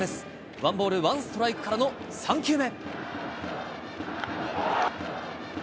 ワンボール、ワンストライクからの３球目。